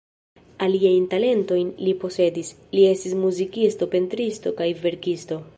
Aliajn talentojn li posedis: li estis muzikisto, pentristo kaj verkisto.